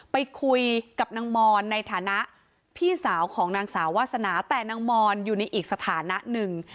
ไปคุยกับนางมอนในฐานะพี่สาวของนางสาววาสนาแต่นางมอนอยู่ในอีกสถานะหนึ่ง